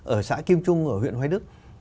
ở xã kim trung ở huyện hoài đức